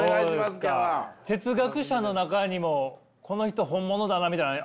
哲学者の中にもこの人本物だなみたいなのあるんすか？